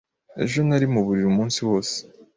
Ejo nari mu buriri umunsi wose.